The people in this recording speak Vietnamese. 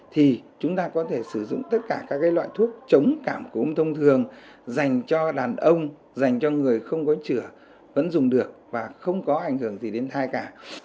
thì chúng ta có thể sử dụng tất cả các loại thuốc chống cảm của ung thông thường dành cho đàn ông dành cho người không có vẫn dùng được và không có ảnh hưởng gì đến thai cả